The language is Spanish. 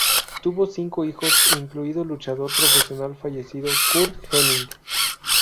Tuvo cinco hijos, incluido el luchador profesional fallecido Curt Hennig.